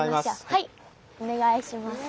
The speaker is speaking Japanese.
はいお願いします。